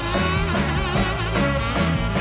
รับทราบ